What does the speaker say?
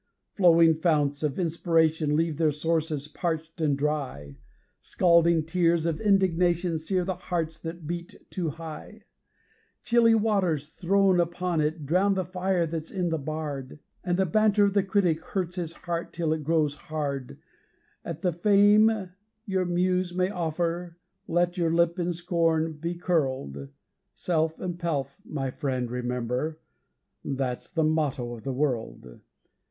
'Flowing founts of inspiration leave their sources parched and dry, Scalding tears of indignation sear the hearts that beat too high; Chilly waters thrown upon it drown the fire that's in the bard; And the banter of the critic hurts his heart till it grows hard. At the fame your muse may offer let your lip in scorn be curled, 'Self and Pelf', my friend, remember, that's the motto of the world.